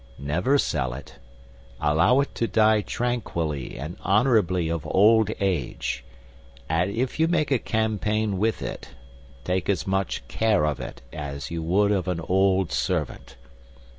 Never sell it; allow it to die tranquilly and honorably of old age, and if you make a campaign with it, take as much care of it as you would of an old servant.